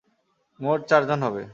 মোট, চারজন হবে।